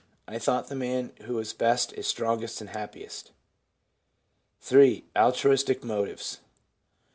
I thought the man who is best is strongest and happiest.' 3. Altruistic motives.